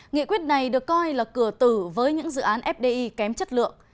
nghị quyết này được coi là cửa tử với những dự án fdi kém chất lượng